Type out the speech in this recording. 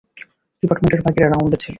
Department এর বাকিরা রাউন্ডে ছিল।